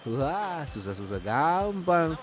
wah susah susah gampang